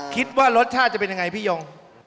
คิดว่ารสชาติจะเป็นยังไงพี่ยง